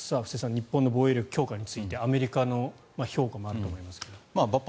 日本の防衛力強化についてアメリカの評価もあると思いますが。